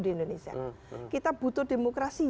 di indonesia kita butuh demokrasi